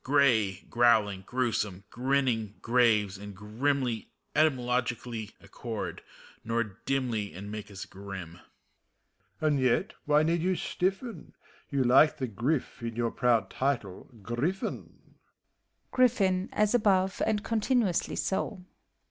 Gray, growling, g^rewsome, grinning, .gp^ves, and grimly Etymologically accord, nor dimly, And make us grim. MEPHISTOPHEIiES. And yet, why need you stiffen f You like the grif in your proud title, "Griffin."